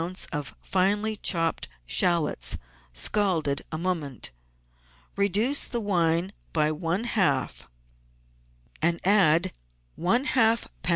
of finely chopped shallots, scalded a moment. Reduce the wine by one half, and add one half lb.